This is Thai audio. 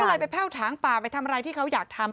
ก็เลยไปแพ่วถางป่าไปทำอะไรที่เขาอยากทำ